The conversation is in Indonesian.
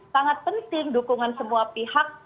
sangat penting dukungan semua pihak